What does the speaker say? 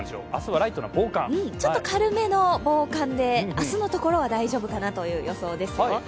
ちょっと軽めの防寒で明日のところは大丈夫という予想です。